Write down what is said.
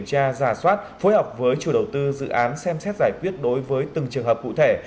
tra giả soát phối hợp với chủ đầu tư dự án xem xét giải quyết đối với từng trường hợp cụ thể